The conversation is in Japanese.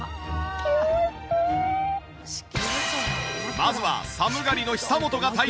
まずは寒がりの久本が体験！